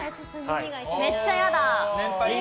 めっちゃやだ！